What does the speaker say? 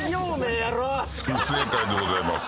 不正解でございます。